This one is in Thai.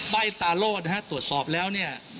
้ตาโลดนะฮะตรวจสอบแล้วเนี่ย